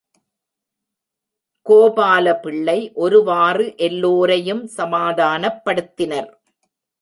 கோபாலபிள்ளை ஒருவாறு எல்லோரையும் சமாதானப்படுத்தினர்.